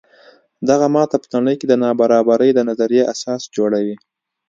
دغه ماته په نړۍ کې د نابرابرۍ د نظریې اساس جوړوي.